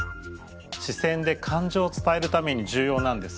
視線で感情を伝えるために重要なんです。